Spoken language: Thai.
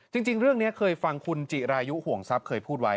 จริงเรื่องนี้เอาให้ฟังไว้ครับ